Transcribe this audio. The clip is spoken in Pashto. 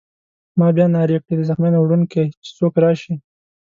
ما بیا نارې کړې: د زخمیانو وړونکی! چې څوک راشي.